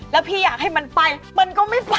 แล้วพี่อยากให้มันไปมันก็ไม่พอ